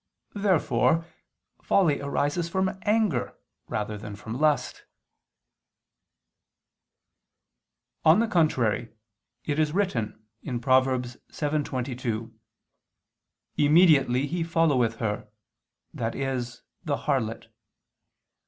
Therefore folly arises from anger rather than from lust. On the contrary, It is written (Prov. 7:22): "Immediately he followeth her," i.e. the harlot